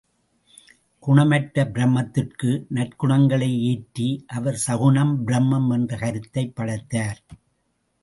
குணமற்ற பிரம்மத்திற்கு நற்குணங்களை ஏற்றி அவர் சகுணப் பிரம்மம் என்ற கருத்தைப் படைத்தார்.